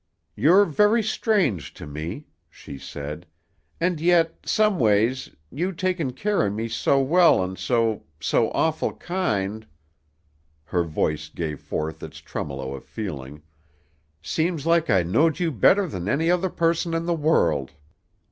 "You're very strange to me," she said, "an' yet, someways, you takin' care of me so well an' so so awful kind " her voice gave forth its tremolo of feeling "seems like I knowed you better than any other person in the world."